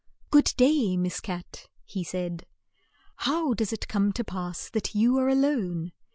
"Good day, Miss Cat," he said. "How does it come to pass that you are a lone?